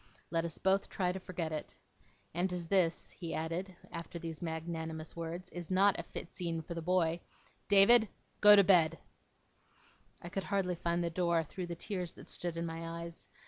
Let us both try to forget it. And as this,' he added, after these magnanimous words, 'is not a fit scene for the boy David, go to bed!' I could hardly find the door, through the tears that stood in my eyes.